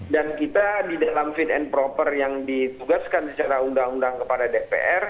dan kita di dalam fit and proper yang ditugaskan secara undang undang kepada dpr